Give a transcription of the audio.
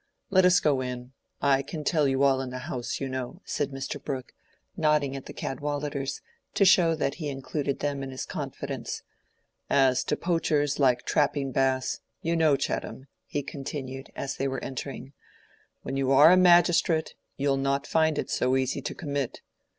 Let us go in; I can tell you all in the house, you know," said Mr. Brooke, nodding at the Cadwalladers, to show that he included them in his confidence. "As to poachers like Trapping Bass, you know, Chettam," he continued, as they were entering, "when you are a magistrate, you'll not find it so easy to commit.